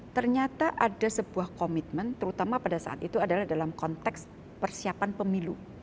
ternyata ada sebuah komitmen terutama pada saat itu adalah dalam konteks persiapan pemilu